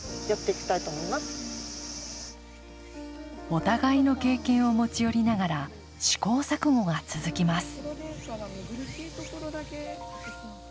お互いの経験を持ち寄りながら試行錯誤が続きます。